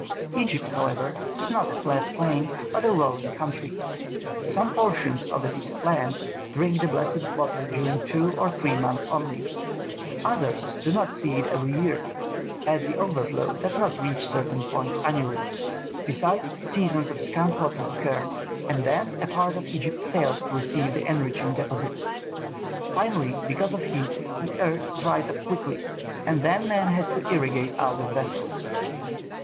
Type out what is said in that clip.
Egypt, however, is not a flat plain, but a rolling country; some portions of its land drink the blessed waters during two or three months only; others do not see it every year, as the overflow does not reach certain points annually. Besides, seasons of scant water occur, and then a part of Egypt fails to receive the enriching deposit. Finally, because of heat the earth dries up quickly, and then man has to irrigate out of vessels.